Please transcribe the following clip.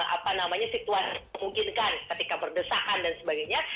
apa namanya situasi yang dimungkinkan ketika berdesakan dan sebagainya